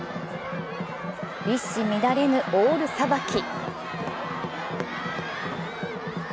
一糸乱れぬオールさばき。